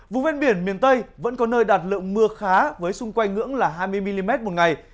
vùng ven biển miền tây vẫn có nơi đạt lượng mưa khá với xung quanh ngưỡng là hai mươi mm một ngày